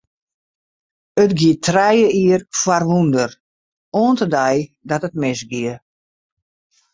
It gie trije jier foar wûnder, oant de dei dat it misgie.